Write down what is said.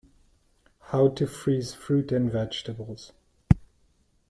How to freeze fruit and vegetables.